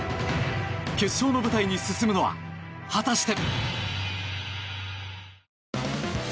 決勝の舞台に進むのは果たして。